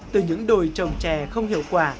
từ những đồi trồng trè không hiệu quả